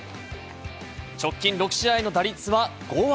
直近６試合の打率は５割。